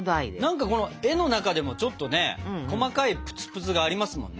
何か絵の中でもちょっとね細かいぷつぷつがありますもんね。